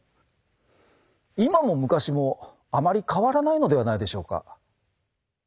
今も昔もあまり変わらないのではないでしょうか。